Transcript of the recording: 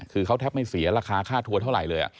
คือเขาแทบไม่เสียราคาค่าทัวร์เท่าไหร่เลย